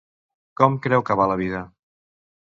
Com creu que va la vida?